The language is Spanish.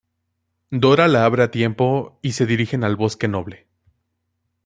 Dora la abre a tiempo, y se dirigen al bosque noble.